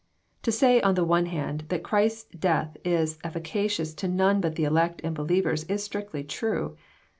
To say, on the one hand, that Christ's death is efficacious to none but the elect and believers, is strictly true.